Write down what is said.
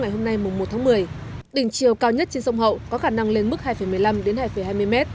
ngày hôm nay mùng một tháng một mươi đỉnh chiều cao nhất trên sông hậu có khả năng lên mức hai một mươi năm đến hai hai mươi m